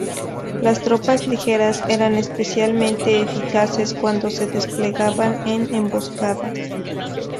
Las tropas ligeras eran especialmente eficaces cuando se desplegaban en emboscadas.